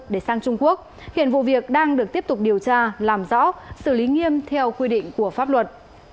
để sang trung quốc hiện vụ việc đang được tiếp tục điều tra làm rõ xử lý nghiêm theo quy định của pháp luật